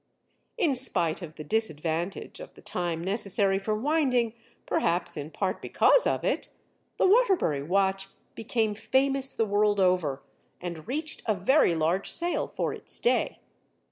In spite of the disadvantage of the time necessary for winding, perhaps in part because of it, the Waterbury watch became famous the world over and reached a very large sale for its day.